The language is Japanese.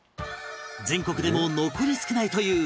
全国でも残り少ないという激